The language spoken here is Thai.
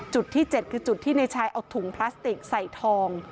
จุดที่๗คือจุดที่ในชายเอาถุงพลาสติกใส่ทอง